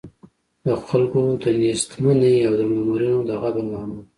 د خلکو د نېستمنۍ او د مامورینو د غبن له امله.